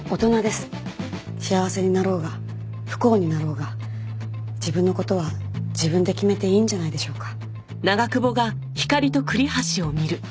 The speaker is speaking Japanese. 幸せになろうが不幸になろうが自分の事は自分で決めていいんじゃないでしょうか。